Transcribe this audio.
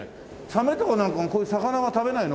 サメとかなんかもこういう魚は食べないの？